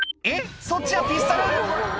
「えっそっちはピストル？」